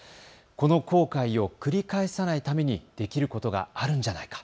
この後悔を繰り返さないためにできることがあるんじゃないか。